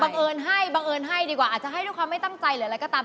เอิญให้บังเอิญให้ดีกว่าอาจจะให้ด้วยความไม่ตั้งใจหรืออะไรก็ตาม